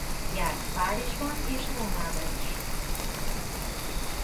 Járt Párizsban és Rómában is.